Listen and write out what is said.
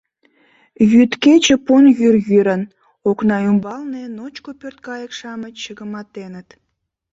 Йӱд-кече пун йӱр йӱрын, окна ӱмбалне ночко пӧрткайык-шамыч чыгыматеныт.